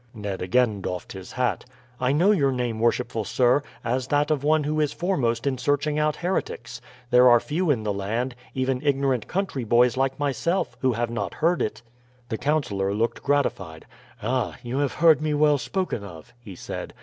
Ned again doffed his hat. "I know your name, worshipful sir, as that of one who is foremost in searching out heretics. There are few in the land, even ignorant country boys like myself, who have not heard it." The councillor looked gratified. "Ah! you have heard me well spoken of?" he said.